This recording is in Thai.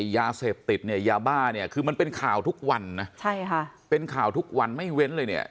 ยาเสพติดเนี่ยยาบ้าเนี่ยคือมันเป็นข่าวทุกวันนะใช่ค่ะเป็นข่าวทุกวันไม่เว้นเลยเนี่ย